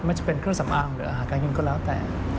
จะเป็นเครื่องสำอางหรืออาหารการกินก็แล้วแต่